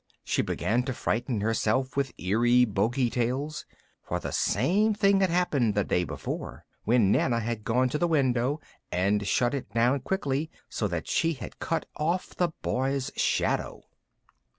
She began to frighten herself with eerie bogie tales, for the same thing had happened the day before, when Nana had gone to the window and shut it down so quickly that she had cut off the boy's shadow.